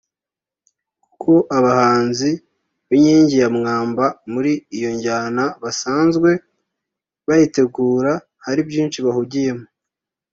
kuko abahanzi b’inkingi ya mwamba muri iyo njyana basanzwe bayitegura hari byinshi bahugiyemo